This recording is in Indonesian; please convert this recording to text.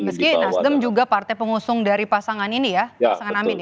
meski nasdem juga partai pengusung dari pasangan ini ya pasangan amin ya